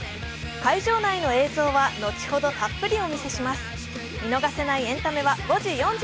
会場内の映像は後ほど、たっぷりお見せします。